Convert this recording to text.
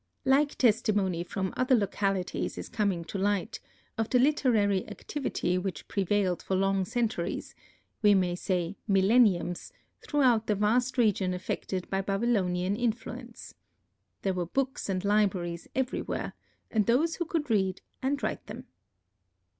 Like testimony from other localities is coming to light, of the literary activity which prevailed for long centuries—we may say milleniums—throughout the vast region affected by Babylonian influence. There were books and libraries everywhere, and those who could read and write them.